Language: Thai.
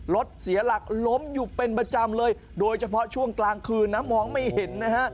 รถเสียหลักล้มอยู่เป็นประจำเลยโดยเฉพาะช่วงกลางคืนนะมองไม่เห็นนะฮะ